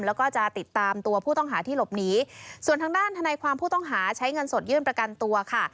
แล้วก็จะติดตามตัวผู้ต้องหาที่หลบหนีส่วนทางด้านทนายความผู้ต้องหาใช้เงินสดยื่นประกันตัวค่ะ